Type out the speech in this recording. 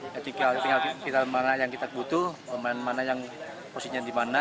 ketika tinggal kita memanah yang kita butuh pemain mana yang posisinya dimana